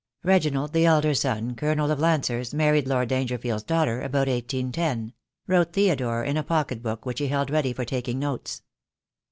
"Reginald, the elder son, colonel of Lancers, married Lord Dangerfield's daughter — about 1840," wrote Theo dore in a pocket book which he held ready for taking notes.